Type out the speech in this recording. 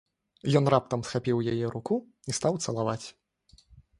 Ён раптам схапіў яе руку і стаў цалаваць.